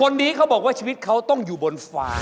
คนนี้เขาบอกว่าชีวิตเขาต้องอยู่บนฝา